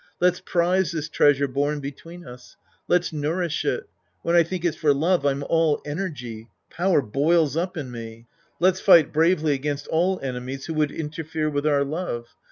Let's prize this treasure born between us. Let's nourish it. When I tliink it's for love, I'm all energy. Power boils up in me. Let's fight bravely against all enemies who would interfere with our love.